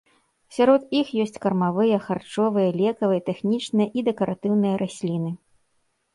Сярод іх ёсць кармавыя, харчовыя, лекавыя, тэхнічныя і дэкаратыўныя расліны.